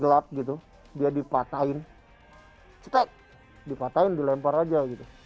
jika terlihat gelap dipatahkan dipatahkan dilempar saja